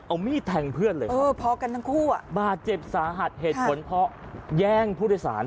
เอามีดแทงเพื่อนเลยครับบาดเจ็บสาหัสเหตุผลเพราะแย่งพุทธศาล